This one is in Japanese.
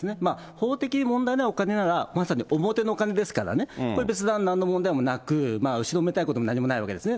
法的に問題がないお金なら、まさに表のお金ですからね、これは別段なんの問題もなく、後ろめたいことも何もないわけですね。